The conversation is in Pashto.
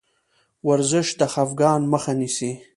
ورزش د خفګان مخه نیسي.